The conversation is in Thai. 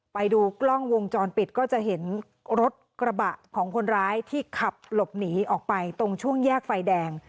ไปดูกล้องวงจรปิดก็จะเห็นรถกระบะของคนร้ายที่ขับหลบหนีออกไปตรงช่วงแยกไฟแดง